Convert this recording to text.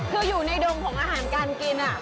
คืออยู่ในดงของอาหารการกิน